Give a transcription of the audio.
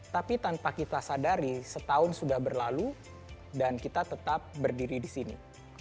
tapi tanpa kita sadari setahun sudah berlalu dan kita tetap berdiri di sini